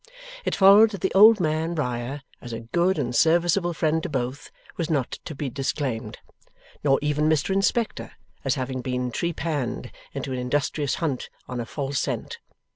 It followed that the old man, Riah, as a good and serviceable friend to both, was not to be disclaimed. Nor even Mr Inspector, as having been trepanned into an industrious hunt on a false scent.